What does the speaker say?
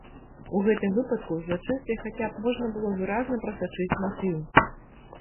У гэтым выпадку ў злачынстве хаця б можна было выразна прасачыць матыў.